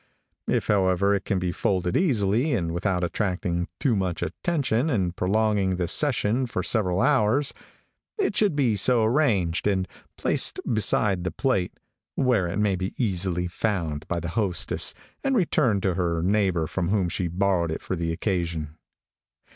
If, however, it can be folded easily, and without attracting too much attention and prolonging the session for several hours, it should be so arranged, and placed beside the plate, where it may be easily found by the hostess, and returned to her neighbor from whom she borrowed it for the occasion.